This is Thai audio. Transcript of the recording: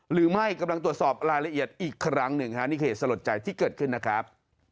หรือไม่กำลังตรวจสอบรายละเอียดอีกครั้งหนึ่งฮะนี่เหตุสลดใจที่เกิดขึ้นนะครับ